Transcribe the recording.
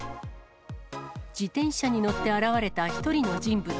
自転車に乗って現れた１人の人物。